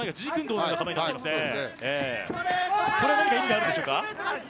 これは何か意味があるんでしょうか。